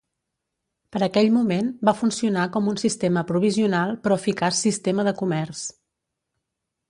Per aquell moment va funcionar com un sistema provisional però eficaç sistema de comerç.